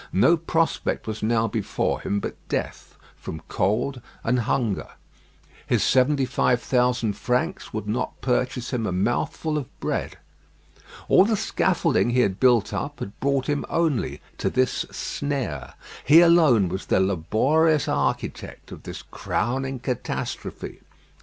No prospect was now before him but death from cold and hunger. His seventy five thousand francs would not purchase him a mouthful of bread. All the scaffolding he had built up had brought him only to this snare. He alone was the laborious architect of this crowning catastrophe.